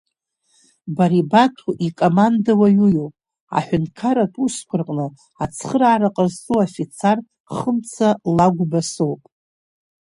Бара ибаҭәоу икомандауаҩу иоуп, аҳәынҭқарратә усқәа рҟны ацхыраара ҟазҵо афицар Хымца Лагәба соуп.